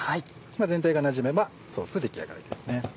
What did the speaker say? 全体がなじめばソース出来上がりですね。